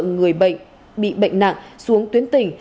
người bị bệnh nạn xuống tuyến tỉnh